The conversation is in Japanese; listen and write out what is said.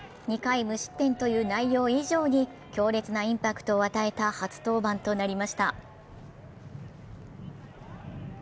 ２回無失点という内容以上に強烈なインパクトを与えた初登板となりました。